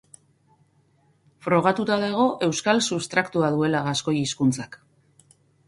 Frogatuta dago euskal substratua duela gaskoi hizkuntzak.